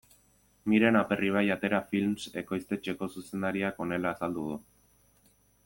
Miren Aperribai Atera Films ekoiztetxeko zuzendariak honela azaldu du.